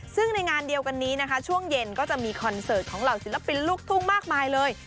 ซึ่งในงานเดียวกันนี้นะคะช่วงเย็นก็จะมีคอนเสิร์ตของเหล่าศิลปินลูกทุ่งมากมายเลย